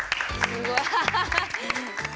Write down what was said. すごい。